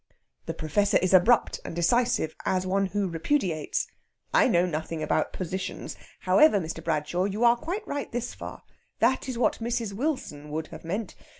The Professor is abrupt and decisive, as one who repudiates. "I know nothing about positions. However, Mr. Bradshaw, you are quite right this far that is what Mrs. Wilson would have meant.